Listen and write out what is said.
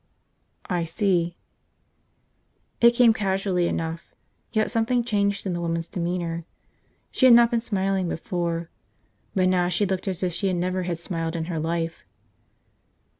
"I see." It came casually enough, yet something changed in the woman's demeanor. She had not been smiling before, but now she looked as if she never had smiled in her life.